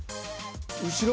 後ろ？